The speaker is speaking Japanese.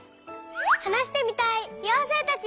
はなしてみたいようせいたち！